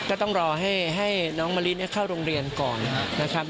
ก็ต้องรอให้น้องมะลิเข้าโรงเรียนก่อนนะครับ